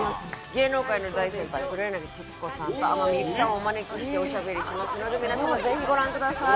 芸能界の大先輩黒柳徹子さんと天海祐希さんをお招きしておしゃべりしますので皆様ぜひご覧ください。